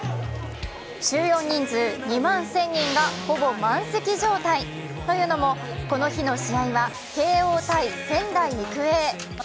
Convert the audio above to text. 収容人数２万１０００人がほぼ満席状態。というのもこの日の試合は慶応×仙台育英。